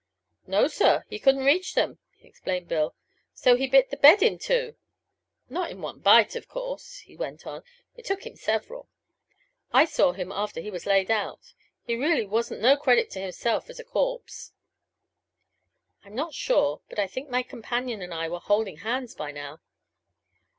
"No, sir; he couldn't reach them," explained Bill, "so he bit the bed in two. Not in one bite, of course," he went on. "It took him several. I saw him after he was laid out. He really wasn't no credit to himself as a corpse." I'm not sure, but I think my companion and I were holding hands by now.